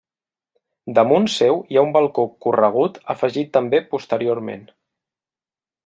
Damunt seu hi ha un balcó corregut afegit també posteriorment.